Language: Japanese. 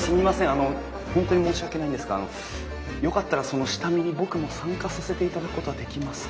あの本当に申し訳ないんですがよかったらその下見に僕も参加させていただくことはできますか？